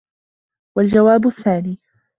وَالْجَوَابُ الثَّانِي